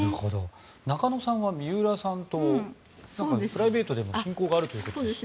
中野さんは水卜さんとプライベートでも親交があるということですね。